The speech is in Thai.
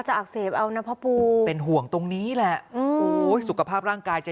อักเสบเอานะพ่อปูเป็นห่วงตรงนี้แหละโอ้ยสุขภาพร่างกายจะ